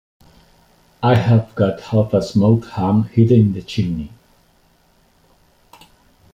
I have got half a smoked ham hidden in the chimney.